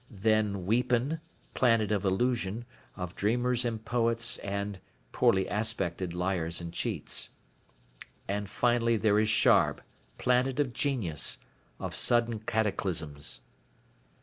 Then Weepen, planet of illusion, of dreamers and poets and, poorly aspected, liars and cheats. And finally there is Sharb, planet of genius, of sudden cataclysms."